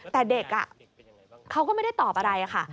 แต่เด็กเขาก็ไม่ได้ตอบอะไรค่ะ